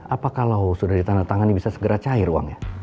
apakalau sudah ditandatangani bisa segera cair uangnya